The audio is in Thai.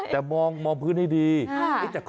จำไม่ได้แล้ว